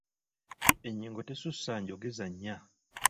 Ennyingo tesussa njogeza nnya.